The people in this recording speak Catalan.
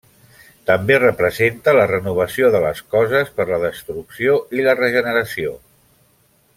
També representa la renovació de les coses per la destrucció i la regeneració.